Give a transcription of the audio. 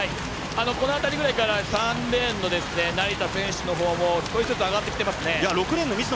この辺りぐらいから３レーンの成田選手のほうも少しずつ上がってきてますね。